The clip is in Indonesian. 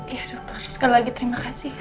ya dokter sekali lagi terima kasih